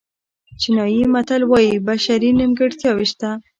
چینایي متل وایي بشري نیمګړتیاوې شته.